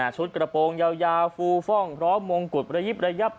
กระโปรงยาวฟูฟ่องพร้อมมงกุฎระยิบระยับ